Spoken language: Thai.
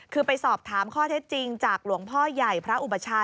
คือไปสอบถามข้อเท็จจริงจากหลวงพ่อใหญ่พระอุปชา